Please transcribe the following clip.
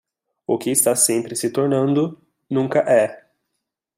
O que está sempre se tornando, nunca é.